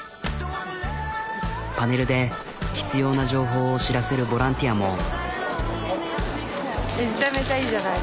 パネルで必要な情報を知らせるボランティアも。